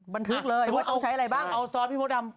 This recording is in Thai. บันทึกเลยว่าต้องใช้อะไรบ้างเอาซอสพี่มดดำ